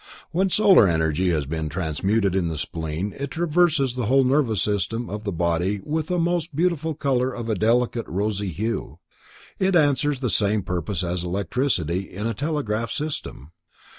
When solar energy has been transmuted in the spleen it traverses the whole nervous system of the body glowing with a most beautiful color of a delicate rosy hue. It answers the same purpose as electricity in a telegraph system.